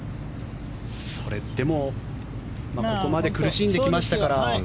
それでもここまで苦しんできましたから。